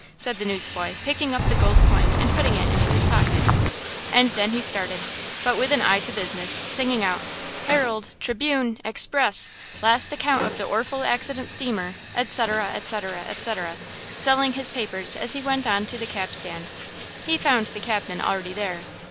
said the newsboy, picking up the gold coin and putting it into his pocket. And then he started, but with an eye to business, singing out: "Herald! Triebune! Express! last account of the orful accident–steamer," etc., etc., etc., selling his papers as he went on to the cab stand. He found the cabman already there.